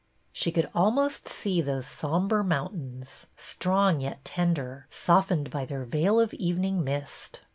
She could almost see those sombre mountains, strong yet tender, softened by their veil of even ing mist.